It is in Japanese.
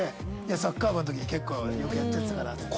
「サッカー部の時に結構よくやっちゃってたから」って。